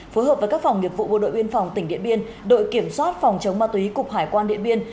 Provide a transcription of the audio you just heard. phối hợp với các phòng nghiệp vụ bộ đội biên phòng tỉnh điện biên đội kiểm soát phòng chống ma túy cục hải quan điện biên